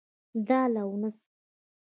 دال او نسک.